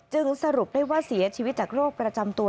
สรุปได้ว่าเสียชีวิตจากโรคประจำตัว